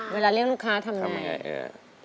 เรียกลูกค้าทำไง